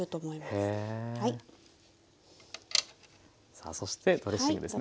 さあそしてドレッシングですね。